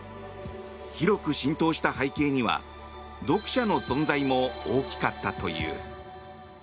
広く浸透した背景には読者の存在も大きかったという。